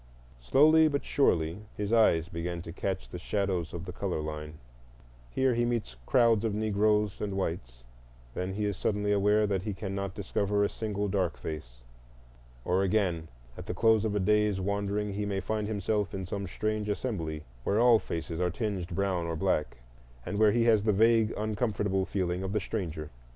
Slowly but surely his eyes begin to catch the shadows of the color line: here he meets crowds of Negroes and whites; then he is suddenly aware that he cannot discover a single dark face; or again at the close of a day's wandering he may find himself in some strange assembly, where all faces are tinged brown or black, and where he has the vague, uncomfortable feeling of the stranger.